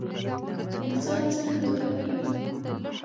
انسان څنګ دوکه کيږي